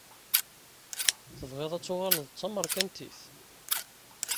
TebƔiḍ ad tuƔaleḍ d tamaṛkantit?